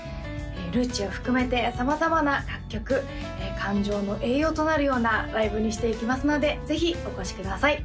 「ＬＵＣＥ」を含めて様々な楽曲感情の栄養となるようなライブにしていきますのでぜひお越しください